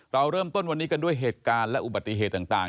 เราเริ่มต้นวันนี้กันด้วยเหตุการณ์และอุบัติเหตุต่าง